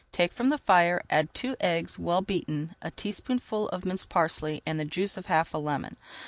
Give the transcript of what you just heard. Take from the fire, add two eggs, well beaten, a teaspoonful of minced parsley and the juice of half a lemon.